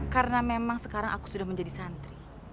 karena memang sekarang aku sudah menjadi santri